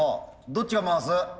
どっちが回す？